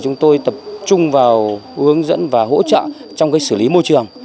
chúng tôi tập trung vào hướng dẫn và hỗ trợ trong xử lý môi trường